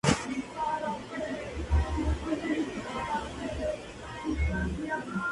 Esto incluye una fiesta en casa del Jefe de los Estudios Ted Marcus.